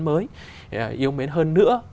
mới yêu mến hơn nữa